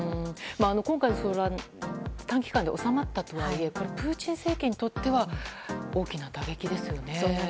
今回、短期間で収まったとはいえプーチン政権にとっては大きな打撃ですよね。